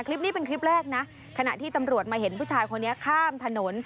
คลิปนี้เป็นคลิปแรกนะขณะที่ตำรวจมาเห็นผู้ชายคนนี้ข้ามถนน